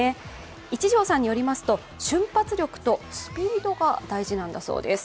一条さんによりますと瞬発力とスピードが大事なんだそうです。